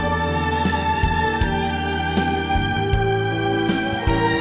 mak p peanut